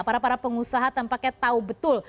para para pengusaha tampaknya tahu betul